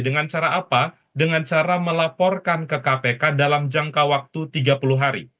dengan cara apa dengan cara melaporkan ke kpk dalam jangka waktu tiga puluh hari